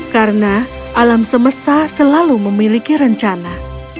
karena alam semesta selalu memiliki rencana